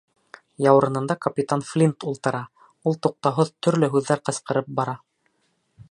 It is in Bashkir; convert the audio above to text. Яурынында Капитан Флинт ултыра, ул туҡтауһыҙ төрлө һүҙҙәр ҡысҡырып бара.